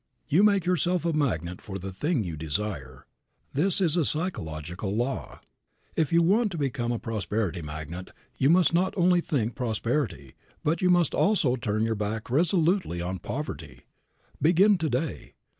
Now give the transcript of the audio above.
You make yourself a magnet for the thing you desire. This is a psychological law. If you want to become a prosperity magnet you must not only think prosperity but you must also turn your back resolutely on poverty. Begin to day.